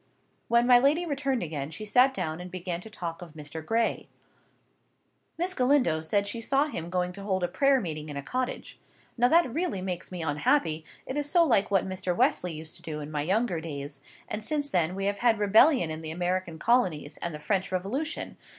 When my lady returned again, she sat down and began to talk of Mr. Gray. "Miss Galindo says she saw him going to hold a prayer meeting in a cottage. Now that really makes me unhappy, it is so like what Mr. Wesley used to do in my younger days; and since then we have had rebellion in the American colonies and the French Revolution.